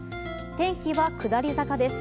天気は下り坂です。